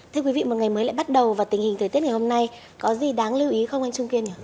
thưa quý vị một ngày mới lại bắt đầu và tình hình thời tiết ngày hôm nay có gì đáng lưu ý không anh trung kiên